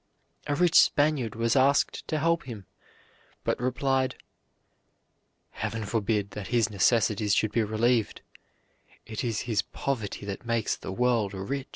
A rich Spaniard was asked to help him, but replied: "Heaven forbid that his necessities should be relieved; it is his poverty that makes the world rich."